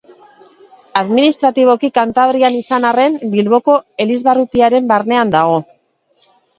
Administratiboki Kantabrian izan arren, Bilboko elizbarrutiaren barnean dago.